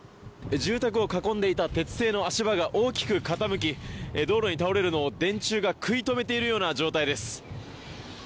住宅を囲んでいた鉄製の足場が大きく傾き、道路に倒れるのを電柱が食い止めているような状態です。